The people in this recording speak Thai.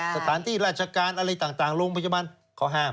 สถานที่ราชการอะไรต่างโรงพยาบาลเขาห้าม